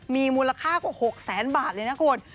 มีมูลค่ากว่า๖๐๐๐๐๐บาทเลยนะครับคุณ